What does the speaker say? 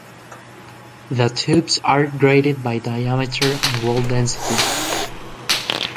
The tubes are graded by diameter and wall density.